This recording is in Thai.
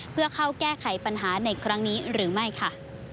เพื่อเข้าแก้ไขปัญหาในครั้งนี้หรือไม่ค่ะ